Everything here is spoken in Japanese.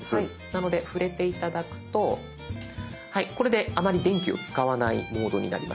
なので触れて頂くとはいこれであまり電気を使わないモードになりました。